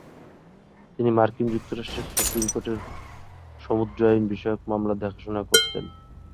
তিনি মার্কিন যুক্তরাষ্ট্রের সুপ্রিম কোর্টের সমুদ্র আইন বিষয়ক মামলা দেখাশুনা করতেন।